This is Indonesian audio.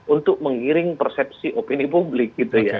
untuk mengiring persepsi opini publik